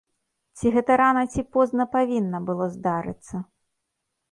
Ці гэта рана ці позна павінна было здарыцца?